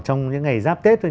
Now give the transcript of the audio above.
trong những ngày giáp tết thôi